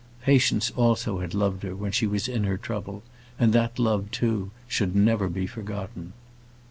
Patience also had loved her when she was in her trouble, and that love, too, should never be forgotten.